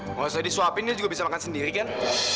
nggak usah disuapin dia juga bisa makan sendiri kan